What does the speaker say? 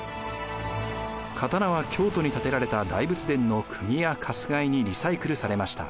刀は京都に建てられた大仏殿のくぎやかすがいにリサイクルされました。